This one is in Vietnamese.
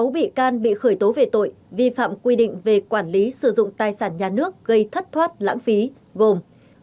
sáu bị can bị khởi tố về tội vi phạm quy định về quản lý sử dụng tài sản nhà nước gây thất thoát lãng phí gồm